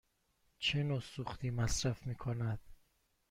چه نوع سوختی مصرف می کند؟